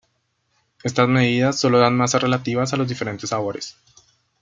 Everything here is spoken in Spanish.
Estas medidas solo dan masas relativas a los diferentes sabores.